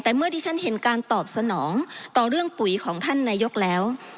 แต่เมื่อดิฉันเห็นการตอบสนองต่อเรื่องปุ๋ยของท่านนายกแล้ว